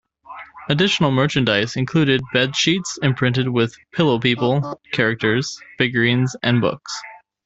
Additional merchandise included bed sheets imprinted with Pillow People characters, figurines and books.